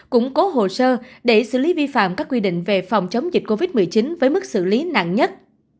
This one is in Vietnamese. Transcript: củng cố hồ sơ để xử lý vi phạm các quy định về phòng chống dịch covid một mươi chín với mức xử lý nặng nhất